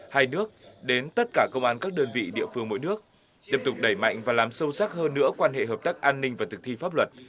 hai nước đến tất cả công an các đơn vị địa phương mỗi nước tiếp tục đẩy mạnh và làm sâu sắc hơn nữa quan hệ hợp tác an ninh và thực thi pháp luật